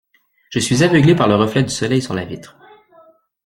Je suis aveuglé par le reflet du soleil sur la vitre.